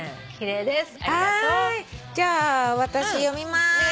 じゃあ私読みます。